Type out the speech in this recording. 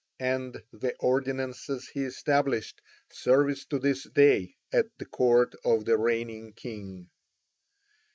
And the ordinances he established service to this day at the court of the reigning king.